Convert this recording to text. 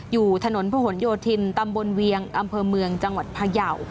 อยู่ถนนพระหลโยธินตำบลเวียงอำเภอเมืองจังหวัดพยาว